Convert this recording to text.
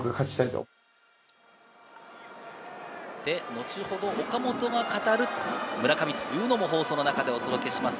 後ほど岡本が語る村上も、放送の中でお届けします。